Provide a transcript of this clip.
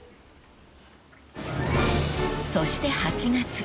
［そして８月］